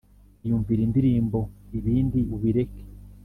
iyumvire indirimbo ibindi ubireke